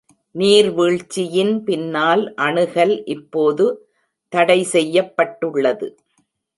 நீர்வீழ்ச்சியின் பின்னால் அணுகல் இப்போது தடைசெய்யப்பட்டுள்ளது.